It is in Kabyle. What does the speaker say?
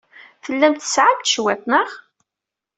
Tellamt tesɛamt cwiṭ, naɣ?